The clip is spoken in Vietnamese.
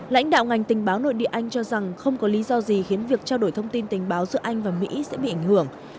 lãnh đạo ngành tình báo nội địa anh cho rằng không có lý do gì khiến việc trao đổi thông tin tình báo giữa anh và mỹ sẽ bị ảnh hưởng